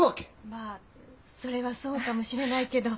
まそれはそうかもしれないけれど。